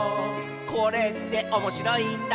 「これっておもしろいんだね」